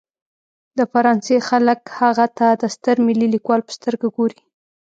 د فرانسې خلک هغه ته د ستر ملي لیکوال په سترګه ګوري.